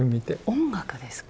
音楽ですか？